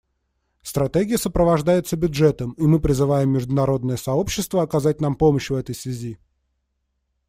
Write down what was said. Стратегия сопровождается бюджетом, и мы призываем международное сообщество оказать нам помощь в этой связи.